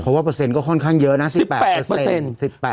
เพราะว่าเปอร์เซ็นต์ก็ค่อนข้างเยอะนะ๑๘